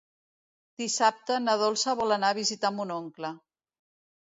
Dissabte na Dolça vol anar a visitar mon oncle.